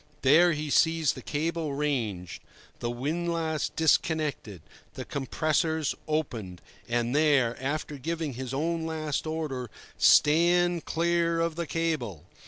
There he sees the cable ranged, the windlass disconnected, the compressors opened; and there, after giving his own last order, "Stand clear of the cable!"